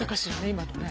今のね。